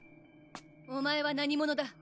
お前は何者だ？